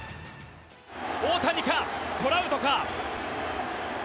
大谷か、トラウトか。